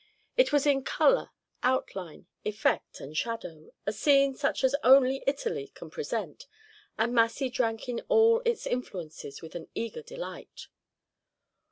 It was in color, outline, effect, and shadow, a scene such as only Italy can present, and Massy drank in all its influences with an eager delight.